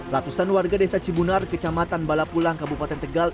ratusan warga desa cibunar kecamatan balapulang kabupaten tegal